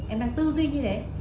em đang tư duy như thế